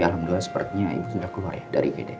alhamdulillah sepertinya ibu sudah keluar dari gd